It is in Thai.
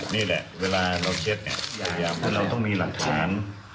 นี่แหละเวลาเราเช็ดเนี่ยอยากให้เราต้องมีหลักฐาน